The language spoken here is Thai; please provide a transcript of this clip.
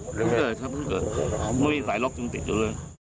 เพิ่งเกิดเขาไม่มีสายล็กจึงติดเลย